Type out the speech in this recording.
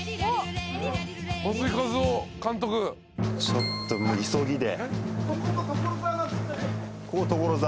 ちょっと急ぎで。